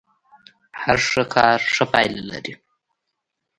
هر ښه کار ښه پايله لري.